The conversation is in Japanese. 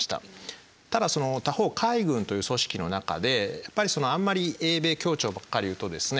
ただ他方海軍という組織の中でやっぱりあんまり英米協調ばっかり言うとですね